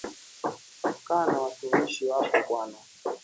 Kaa na watumishi wako bwana